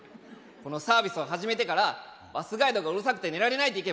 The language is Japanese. このサービスを始めてからバスガイドがうるさくて寝られないという意見